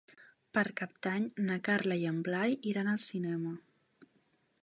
Per Cap d'Any na Carla i en Blai iran al cinema.